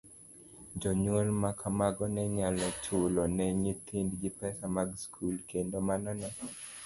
Jonyuol ma kamago ne nyalo chulo ne nyithindgi pesa mag skul, kendo mano ne